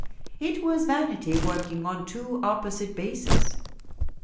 It was vanity working on two opposite bases.